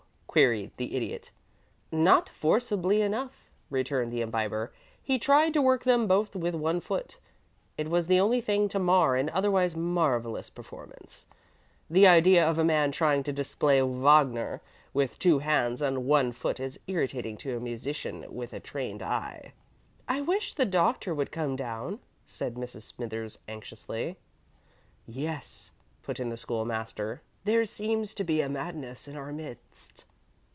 queried the Idiot. "Not forcibly enough," returned the Imbiber. "He tried to work them both with one foot. It was the only thing to mar an otherwise marvellous performance. The idea of a man trying to display Wagner with two hands and one foot is irritating to a musician with a trained eye." [Illustration: "'WEREN'T YOUR EARS LONG ENOUGH?'"] "I wish the Doctor would come down," said Mrs. Smithers, anxiously. "Yes," put in the School master; "there seems to be madness in our midst."